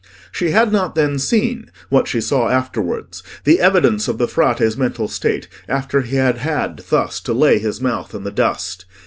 She had not then seen—what she saw afterwards—the evidence of the Frate's mental state after he had had thus to lay his mouth in the dust.